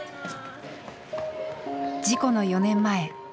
事故の４年前。